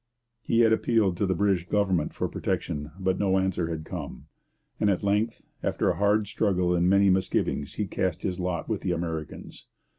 He had appealed to the British government for protection, but no answer had come; and at length, after a hard struggle and many misgivings, he cast in his lot with the Americans.